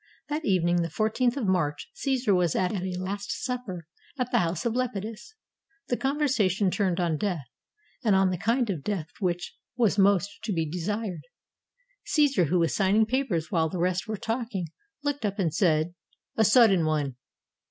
That evening, the 14th of March, Caesar was at a "last supper" at the house of Lepidus. The conversa tion turned on death, and on the kind of death which was most to be desired. Caesar, who was signing papers while the rest were talking, looked up and said, "A sud den one."